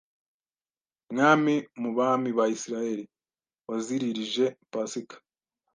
mwami mu bami ba Isirayeli waziririje Pasika